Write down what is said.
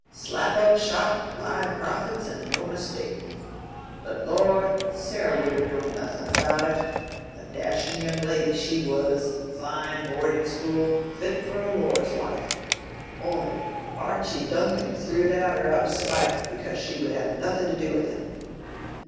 Slap up shop, high profits and no mistake. But Lord! Sarah would have known nothing about it—a dashing young lady she was—fine boarding school—fit for a lord's wife—only Archie Duncan threw it at her out of spite, because she would have nothing to do with him.